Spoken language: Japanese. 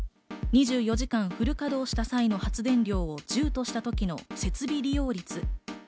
２４時間フル稼働した際の発電量を１０とした時の設備利用率。